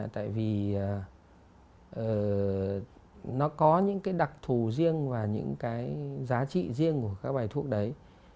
tại vì nó có những cái đặc thù riêng và những cái giá trị riêng của các bài thuốc đấy